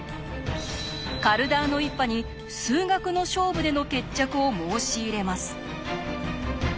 カルダーノ一派に数学の勝負での決着を申し入れます。